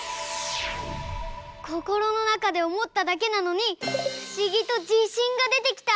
こころのなかでおもっただけなのにふしぎとじしんがでてきた！